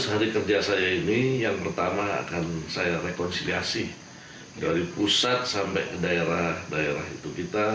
tujuh belas hari kerja saya ini yang pertama akan saya rekonsiliasi dari pusat sampai ke daerah daerah itu